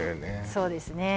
そうですね